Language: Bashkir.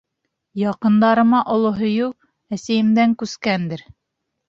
Яҡындарыма оло һөйөү әсәйемдән күскәндер.